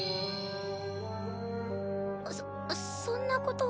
そそんなことは。